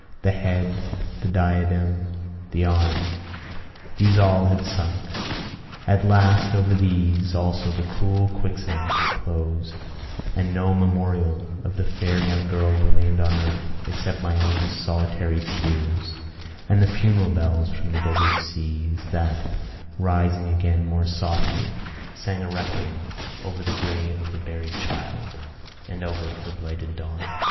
The head, the diadem, the arm, these all had sunk; at last over these also the cruel quicksand had closed; and no memorial of the fair young girl remained on earth, except my own solitary tears, and the funeral bells from the desert seas, that, rising again more softly, sang a requiem over the grave of the buried child, and over her blighted dawn.